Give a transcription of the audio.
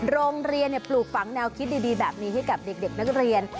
โรงเรียนปลูกฝังแนวคิดดีแบบนี้ให้กับเด็กนักเรียน